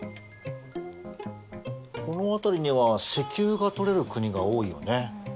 この辺りには石油がとれる国が多いよね。